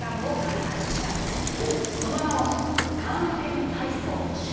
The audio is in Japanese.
その名も「肝炎体操」です！